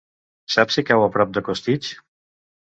Saps si cau a prop de Costitx?